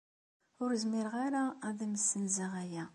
Ur zmireɣ ara ad am-ssenzeɣ aya.